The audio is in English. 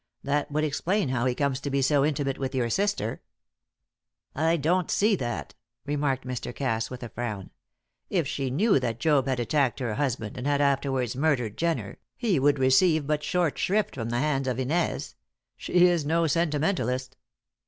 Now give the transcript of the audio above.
That would explain how he comes to be so intimate with your sister." "I don't see that," remarked Mr. Cass, with a frown. "If she knew that Job had attacked her husband, and had afterwards murdered Jenner, he would receive but short shrift from the hands of Inez. She is no sentimentalist."